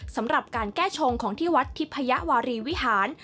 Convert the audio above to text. สำหรับการแก้ชงของที่วัดทิพยาวารีวิหาร